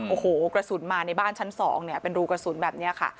โอ้โหกระสุนมาในบ้านชั้น๒เนี่ยเป็นรูกระสุนแบบนี้ค่ะ